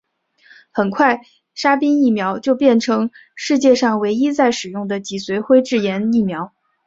很快沙宾疫苗就变成世界上唯一在使用的脊髓灰质炎疫苗。